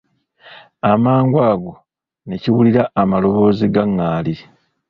Amangu ago ne kiwulira amaloboozi ga ngaali.